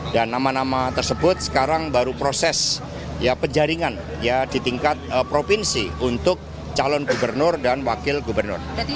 dan nama nama tersebut sekarang baru proses penjaringan di tingkat provinsi untuk calon gubernur dan wakil gubernur